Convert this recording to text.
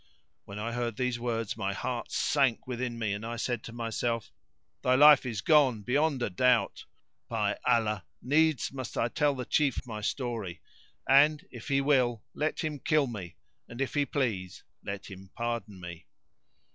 When I heard these words, my heart sank within me and I said to myself, "Thy life is gone beyond a doubt! By Allah, needs must I tell the Chief my story; and, if he will, let him kill me, and if he please, let him pardon me."